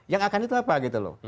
yang akan itu apa gitu loh